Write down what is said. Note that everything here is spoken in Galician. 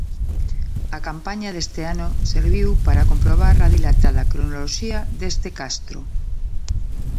A campaña deste ano serviu para comprobar a dilatada cronoloxía deste castro.